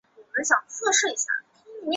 是印度毛主义共产主义中心前领袖。